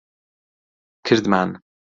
کردمان.